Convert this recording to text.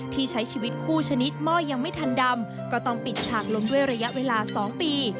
ที่ใช้ชีวิตคู่ชนิดหม้อยังไม่ทันดำก็ต้องปิดฉากลงด้วยระยะเวลา๒ปี